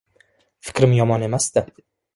Fikrim yomon emasdi.